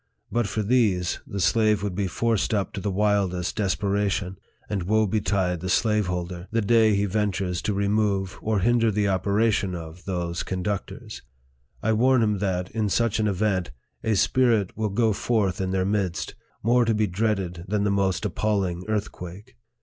But for these, the slave would be forced up to the wildest desperation ; and woe betide the slaveholder, the day he ventures to remove or hinder the operation of those conductors ! I warn him that, in such an event, a spirit will go forth in their midst, more to be dreaded than the most appalling earthquake.